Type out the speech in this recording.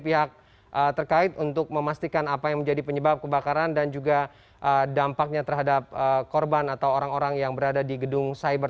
pihak terkait untuk memastikan apa yang menjadi penyebab kebakaran dan juga dampaknya terhadap korban atau orang orang yang berada di gedung cyber